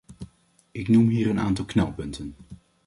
Ik noem hier een aantal knelpunten.